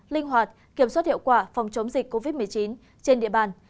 chống dịch covid một mươi chín trên địa bàn